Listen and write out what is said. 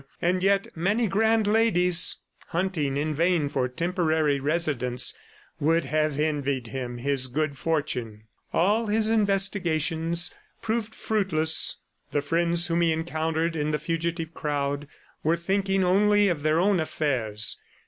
. and yet many grand ladies, hunting in vain for temporary residence, would have envied him his good fortune. All his investigations proved fruitless. The friends whom he encountered in the fugitive crowd were thinking only of their own affairs.